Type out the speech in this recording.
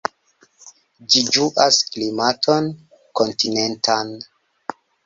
Ĝi ĝuas klimaton kontinentan.